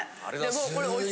もうこれ。